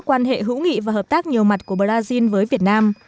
quan hệ hữu nghị và hợp tác nhiều mặt của brazil với việt nam